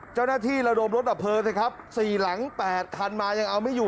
เจ้าหน้าที่ระดมรถดับเพลิงสี่หลังแปดทันมายังเอาไม่อยู่